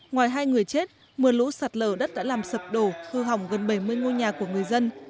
ngoài hai người chết mưa lũ sạt lở đất đã làm sập đổ hư hỏng gần bảy mươi ngôi nhà của người dân